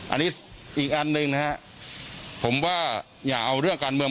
อันนี้อีกอันหนึ่งนะฮะผมว่าอย่าเอาเรื่องการเมือง